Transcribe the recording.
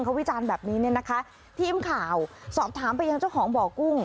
เขาวิจารณ์แบบนี้เนี่ยนะคะทีมข่าวสอบถามไปยังเจ้าของบ่อกุ้ง